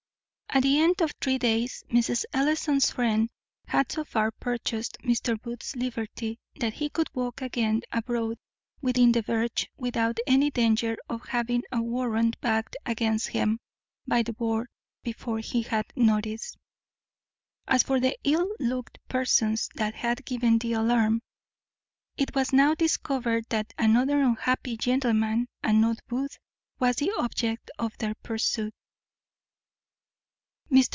_ At the end of three days Mrs. Ellison's friend had so far purchased Mr. Booth's liberty that he could walk again abroad within the verge without any danger of having a warrant backed against him by the board before he had notice. As for the ill looked persons that had given the alarm, it was now discovered that another unhappy gentleman, and not Booth, was the object of their pursuit. Mr.